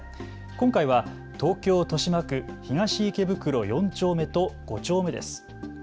今回は東京豊島区東池袋４丁目と５丁目です。